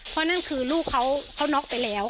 เพราะนั่นคือลูกเขาน็อกไปแล้ว